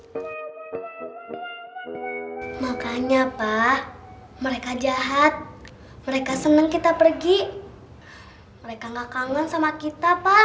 makanya pak mereka jahat mereka seneng kita pergi mereka nggak kangen sama kita pak